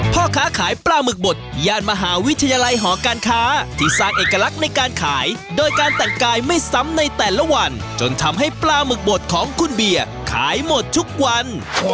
พ่อค้าขายปลาหมึกบดย่านมหาวิทยาลัยหอการค้าที่สร้างเอกลักษณ์ในการขายโดยการแต่งกายไม่ซ้ำในแต่ละวันจนทำให้ปลาหมึกบดของคุณเบียร์ขายหมดทุกวัน